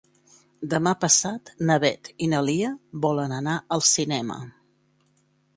Demà passat na Beth i na Lia volen anar al cinema.